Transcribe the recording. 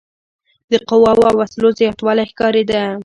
د قواوو او وسلو زیاتوالی ښکارېده.